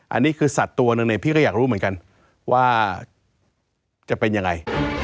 อันนี้คือสัตว์ตัวหนึ่งเนี่ยพี่ก็อยากรู้เหมือนกันว่าจะเป็นยังไง